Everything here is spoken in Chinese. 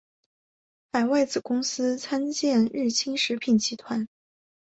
海外子公司参见日清食品集团。